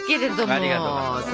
ありがとうございます。